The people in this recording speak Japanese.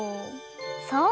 そう。